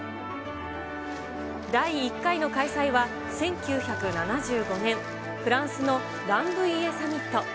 第１回の開催は１９７５年、フランスのランブイエ・サミット。